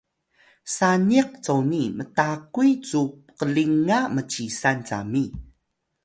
saniq coni mtakuy cu qlinga mcisan cami